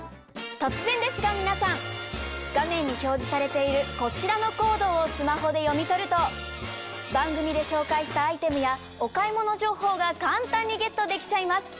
突然ですが皆さん画面に表示されているこちらのコードをスマホで読み取ると番組で紹介したアイテムやお買い物情報が簡単にゲットできちゃいます。